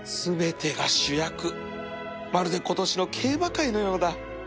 まるで今年の競馬界のようだ